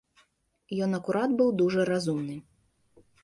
Ён акурат быў дужа разумны.